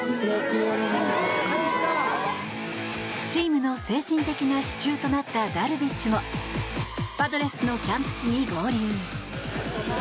チームの精神的な支柱となったダルビッシュもパドレスのキャンプ地に合流。